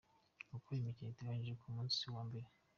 Uko imikino iteganyijwe ku munsin wa mbere:.